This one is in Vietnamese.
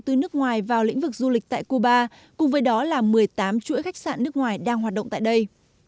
từ nước ngoài vào lĩnh vực du lịch tại cuba cùng với đó là một mươi tám chuỗi khách sạn nước ngoài đang hoạt động tại đây